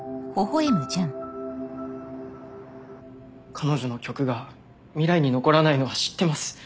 彼女の曲が未来に残らないのは知ってます。